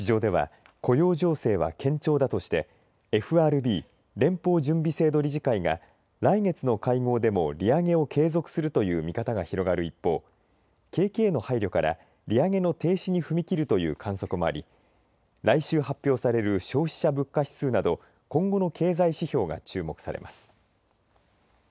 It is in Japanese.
市場では雇用情勢は堅調だとしてＦＲＢ、連邦準備制度理事会が来月の会合でも利上げを継続するという見方が広がる一方景気への配慮から利上げの停止に踏み切るという観測もあり来週発表される消費者物価指数など今後の経済指標が注目されます。